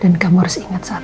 dan kamu harus ingat satu din